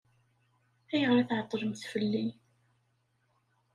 Ayɣer i tɛeṭṭlemt fell-i?